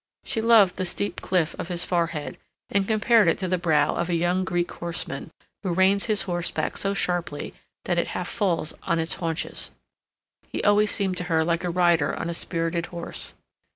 She loved the steep cliff of his forehead, and compared it to the brow of a young Greek horseman, who reins his horse back so sharply that it half falls on its haunches. He always seemed to her like a rider on a spirited horse.